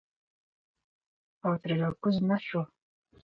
او ترې راکوز نه شو.